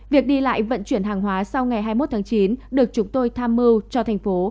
việc đi lại vận chuyển hàng hóa sau ngày hai mươi một tháng chín được chúng tôi tham mưu cho thành phố